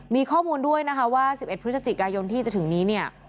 มีข้อมูลด้วยนะคะว่า๑๑พฤศจิกายนที่จะถึงนี้เนี่ย